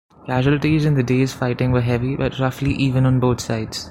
Casualties in the day's fighting were heavy, but roughly even on both sides.